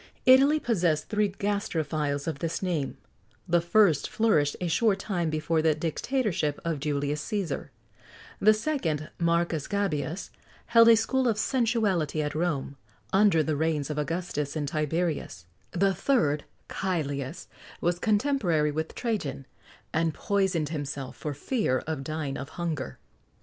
Italy possessed three gastrophiles of this name: the first flourished a short time before the dictatorship of Julius Cæsar; the second, Marcus Gabius, held a school of sensuality at Rome, under the reigns of Augustus and Tiberius; the third, Cælius, was contemporary with Trajan, and poisoned himself for fear of dying of hunger.